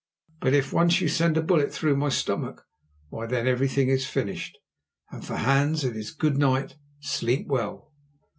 But if once you send a bullet through my stomach—why, then everything is finished, and for Hans it is 'Good night, sleep well.